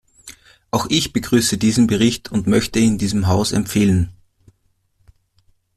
Auch ich begrüße diesen Bericht und möchte ihn diesem Haus empfehlen.